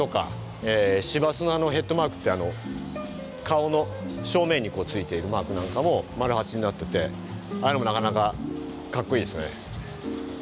市バスのあのヘッドマークって顔の正面にこうついてるマークなんかも丸八になっててあれもなかなかかっこいいですね。